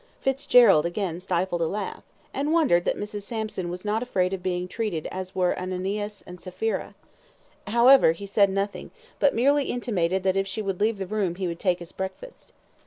Fitzgerald again stifled a laugh, and wondered that Mrs. Sampson was not afraid of being treated as were Ananias and Sapphira. However, he said nothing, but merely intimated that if she would leave the room he would take his breakfast.